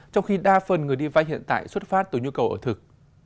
trong khi đa phần người đi vay hiện tại xuất phát từ nhu cầu ở thực